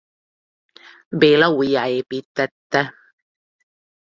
Béla újjáépíttette.